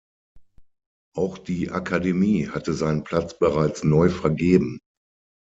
Auch die Akademie hatte seinen Platz bereits neu vergeben.